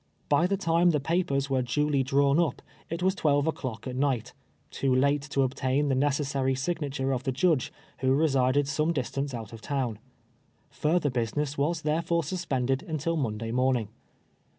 Bj the time the papers were duly drawn up, it was twelve o'clock at niglit — ^too hite to obtain tlie necessary signature of the Judge, who resi ded some distance out of town. Further business was therefore suspended until Monday morning.